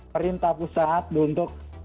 perintah pusat untuk